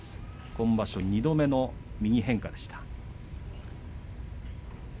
今場所２度目の右変化でした。